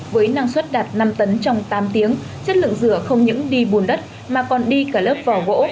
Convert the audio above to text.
với năng suất đạt năm tấn trong tám tiếng chất lượng rửa không những đi bùn đất mà còn đi cả lớp vỏ gỗ